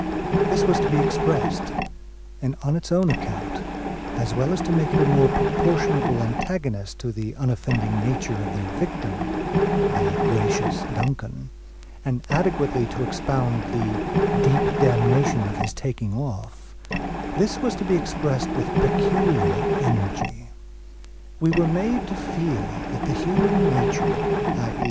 This was to be expressed; and on its own account, as well as to make it a more proportionable antagonist to the unoffending nature of their victim, "the gracious Duncan," and adequately to expound "the deep damnation of his taking off," this was to be expressed with peculiar energy. We were to be made to feel that the human nature, _i.e.